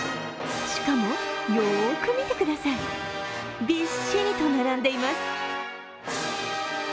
しかも、よく見てくださいびっしりと並んでいます。